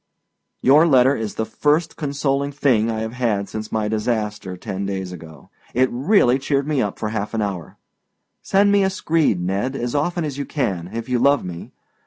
Your letter is the first consoling thing I have had since my disaster, ten days ago. It really cheered me up for half an hour. Send me a screed, Ned, as often as you can, if you love me.